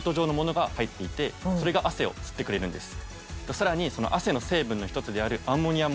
さらに。